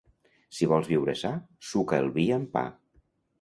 Si vols viure sa, suca el vi amb pa.